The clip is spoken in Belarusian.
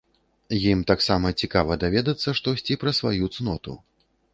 Ім таксама цікава даведацца штосьці пра сваю цноту.